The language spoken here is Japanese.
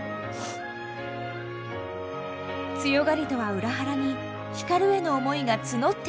強がりとは裏腹に光への思いが募っていく沙織。